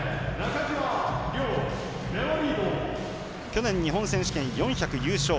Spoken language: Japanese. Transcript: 去年、日本選手権４００優勝。